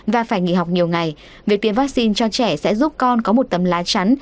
và phải nghỉ học nhiều ngày việc tiêm vaccine cho trẻ sẽ giúp con có một tấm lá chắn